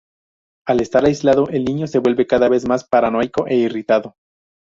Al estar aislado, el niño se vuelve cada vez más paranoico e irritado.